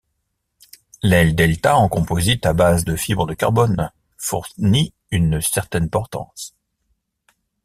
L'aile delta en composite à base de fibres de carbone fournit une certaine portance.